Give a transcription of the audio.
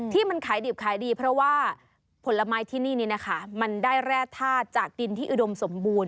ที่มันขายดิบขายดีเพราะว่าผลไม้ที่นี่นะคะมันได้แร่ธาตุจากดินที่อุดมสมบูรณ